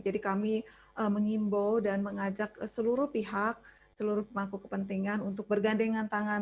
jadi kami mengimbo dan mengajak seluruh pihak seluruh pemangku kepentingan untuk bergandengan tangan